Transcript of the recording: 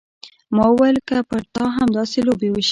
ما وويل که پر تا همداسې لوبې وشي.